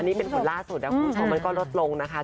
อันนี้เป็นผลล่าสุดแล้วคุณชมมันก็ลดลงนะคะ